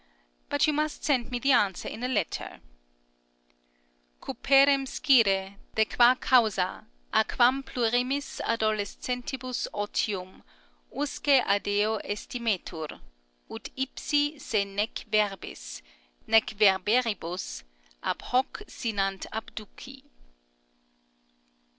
(But you must send me the answer in a letter.) Cuperem scire, de qua causa, à quam plurimis adolescentibus ottium usque adeo æstimetur, ut ipsi se nec verbis, nec verberibus, ab hoc sinant abduci.